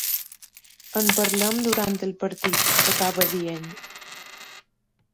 En parlem durant el partit, acaba dient.